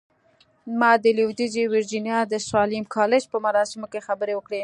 ما د لويديځې ويرجينيا د ساليم کالج په مراسمو کې خبرې وکړې.